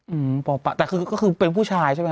อืมป่อปะแต่คือก็คือเป็นผู้ชายใช่ไหมค